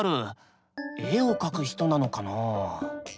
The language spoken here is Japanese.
絵を描く人なのかな？